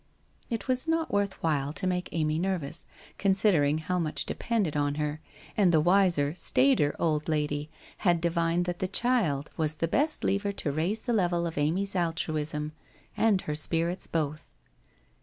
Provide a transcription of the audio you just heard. It was not worth while to make Amy nervous, consider ing how much depended on her, and the wiser, staider old lady had divined that the child was the best lever to raise the level of Amy's altruism and her spirits both.